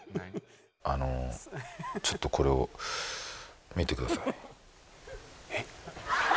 あのちょっとこれを見てください。